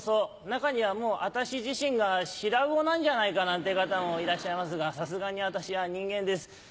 中にはもう私自身が白魚なんじゃないかなんて方もいらっしゃいますがさすがに私は人間です。